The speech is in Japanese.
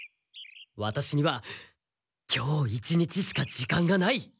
ワタシには今日一日しか時間がない。